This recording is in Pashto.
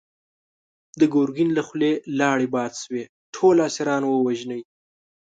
د ګرګين له خولې لاړې باد شوې! ټول اسيران ووژنی!